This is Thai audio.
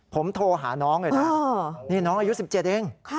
ผมโทรหาน้องเลยนะนี่น้องอายุ๑๗เอง